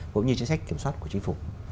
cũng như chính sách kiểm soát của chính phủ